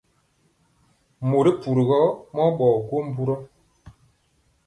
Mori puri gɔ mɔɔ ɓɔ nkye mburɔ.